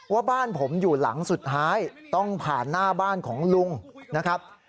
ว่าบ้านผมอยู่หลังสุดท้ายต้องผ่านหน้าบ้านของลุงนะครับ